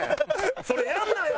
それやんなや！